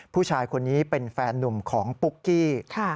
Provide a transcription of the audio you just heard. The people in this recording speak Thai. ผู้ชายคนนี้เป็นแฟนนุ่มของปุ๊กกี้